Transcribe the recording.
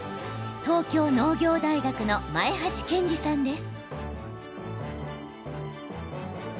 東京農業大学の前橋健二さんです。